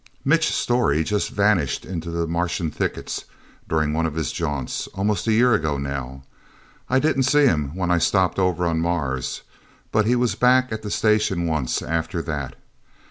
Mitch Storey just vanished into the Martian thickets, during one of his jaunts. Almost a year ago, now... I didn't see him when I stopped over on Mars, but he was back at the Station once, after that.